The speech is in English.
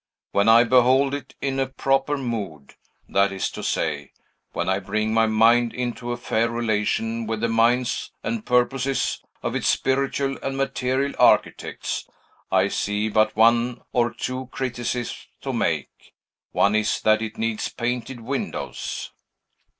When I behold it in a proper mood, that is to say, when I bring my mind into a fair relation with the minds and purposes of its spiritual and material architects, I see but one or two criticisms to make. One is, that it needs painted windows."